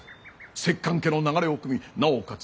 摂関家の流れをくみなおかつ